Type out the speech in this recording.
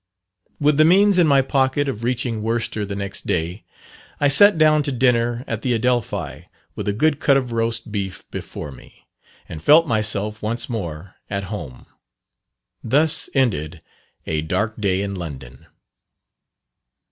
With the means in my pocket of reaching Worcester the next day, I sat down to dinner at the Adelphi with a good cut of roast beef before me, and felt myself once more at home. Thus ended a dark day in London.